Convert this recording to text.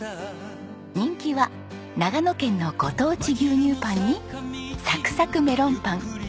人気は長野県のご当地牛乳パンにさくさくメロンパン。